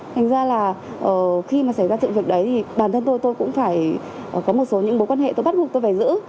thành ra là khi mà xảy ra sự việc đấy thì bản thân tôi tôi cũng phải có một số những mối quan hệ tôi bắt buộc tôi phải giữ